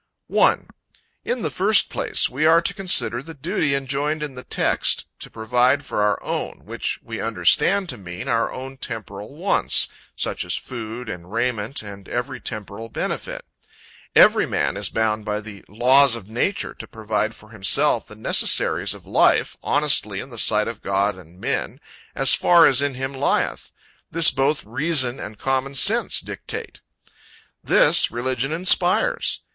1. In the first place, we are to consider the duty enjoined in the text, to provide for our own: which we understand to mean our own temporal wants, such as food and raiment and every temporal benefit. Every man is bound by the laws of nature to provide for himself the necessaries of life, honestly in the sight of God and men, as far as in him lieth. This both reason and common sense dictate. This religion inspires.